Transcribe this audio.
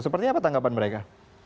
sepertinya apa tanggapan mereka